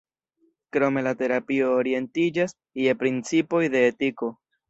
Krome la terapio orientiĝas je principoj de etiko.